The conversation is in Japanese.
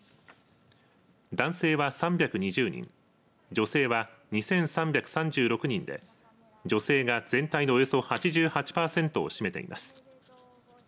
男性は３２０人女性は２３３６人で女性が全体のおよそ８８パーセントを占めています。